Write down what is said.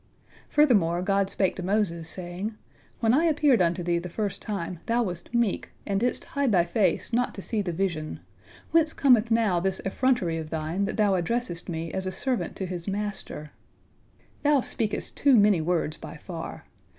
Furthermore God spake to Moses, saying, "When I appeared unto thee the first time, thou wast meek, and didst hide thy face, not to see the vision. Whence cometh now this effrontery of thine, that thou addressest Me as a servant his master? Thou speakest too many words by far.